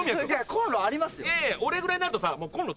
コンロありますよ。